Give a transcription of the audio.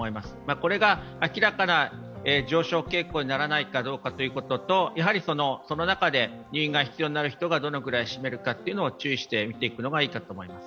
これが明らかな上昇傾向にならないかどうかということとその中で入院が必要になる人がどのぐらいを占めるかを注意して見ていくのがいいかと思います。